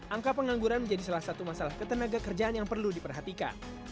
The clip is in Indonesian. angka pengangguran menjadi salah satu masalah ketenaga kerjaan yang perlu diperhatikan